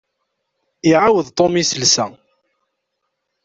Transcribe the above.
Iɛawed Tom iselsa.